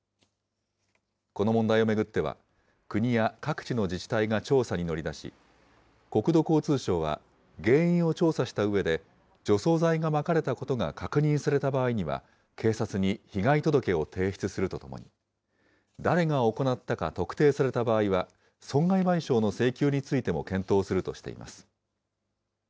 この問題を巡っては、国や各地の自治体が調査に乗り出し、国土交通省は、原因を調査したうえで、除草剤がまかれたことが確認された場合には、警察に被害届を提出するとともに、誰が行ったか特定された場合は、損害賠償の請求についても検討するとしています。